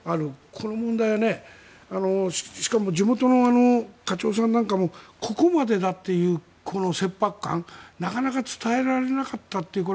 この問題はしかも地元の課長さんなんかもここまでだっていう切迫感なかなか伝えられなかったっていう。